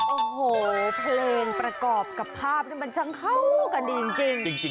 โอ้โหเพลงประกอบกับภาพนี้มันช่างเข้ากันดีจริง